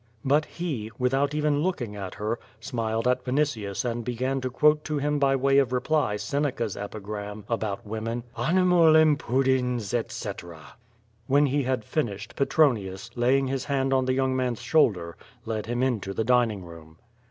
But he, without even looking at her, smiled at Vinitius and began to quote to him by way of reply Seneca's epigram about women: "Animal impudens, etc." Wlien he had finished, Petronius, laying his hand on the young man's shoulder, led him into the dining room.